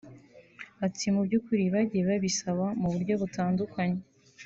Ati “ Mu by’ukuri bagiye babisaba mu buryo butandukanye